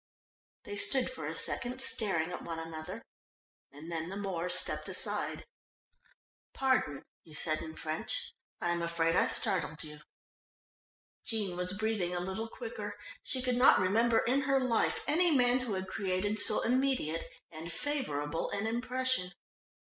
They stood for a second staring at one another, and then the Moor stepped aside. "Pardon," he said in French, "I am afraid I startled you." Jean was breathing a little quicker. She could not remember in her life any man who had created so immediate and favourable an impression.